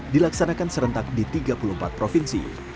dilaksanakan serentak di tiga puluh empat provinsi